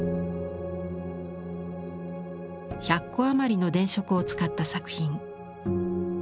１００個余りの電飾を使った作品。